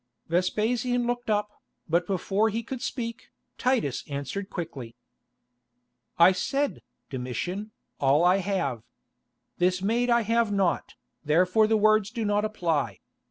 Vespasian looked up, but before he could speak, Titus answered quickly: "I said, Domitian, 'all I have.' This maid I have not, therefore the words do not apply.